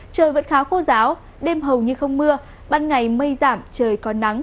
trời vẫn khá khô giáo đêm hầu như không mưa ban ngày mây giảm trời có nắng